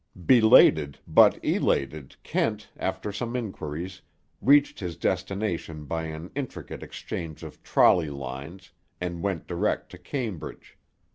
Belated, but elated, Kent, after some inquiries, reached his destination by an intricate exchange of trolley lines, and went direct to Cambridge.